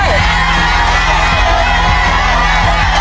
สวัสดีครับ